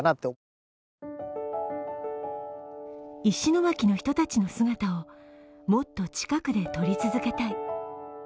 石巻の人たちの姿をもっと近くで撮り続けたい。